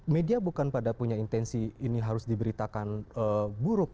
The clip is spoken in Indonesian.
media bukan pada punya intensi ini harus diberitakan buruk